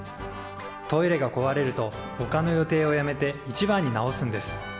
トイレがこわれるとほかの予定をやめて一番に直すんです。